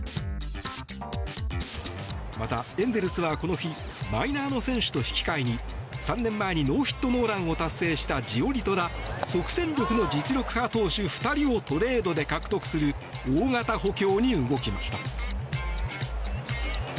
また、エンゼルスはこの日マイナーの選手と引き換えに３年前にノーヒット・ノーランを達成したジオリトら即戦力の実力派投手２人をトレードで獲得する大型補強に動きました。